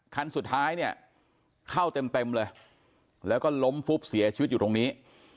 คันสุดท้ายเนี่ยเข้าเต็มเลยแล้วก็ล้มฟุบเสียชีวิตอยู่ตรงนี้